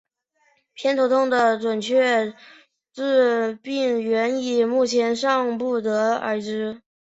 偏头痛的准确致病原理目前尚不得而知。